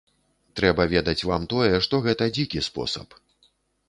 Трэба ведаць вам тое, што гэта дзікі спосаб.